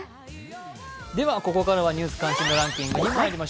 ではここからは「ニュース関心度ランキング」です。